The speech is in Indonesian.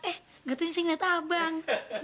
eh gak tersenyum liat abang